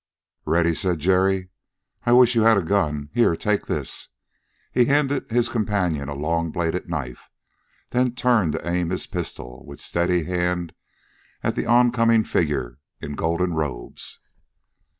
"Ready!" said Jerry. "I wish you had a gun! Here! Take this!" He handed his companion a long bladed knife, then turned to aim his pistol with steady hand at the oncoming figure in golden robes.